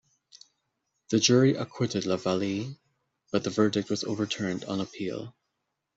The jury acquitted Lavallee, but the verdict was overturned on appeal.